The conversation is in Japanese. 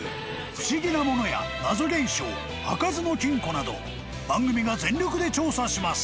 ［不思議なものや謎現象開かずの金庫など番組が全力で調査します］